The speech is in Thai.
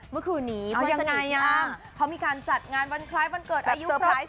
เมื่อคืนนี้คนสนิทอ้ามเขามีการจัดงานคล้ายวันเกิดอายุครับ๔๐กราศ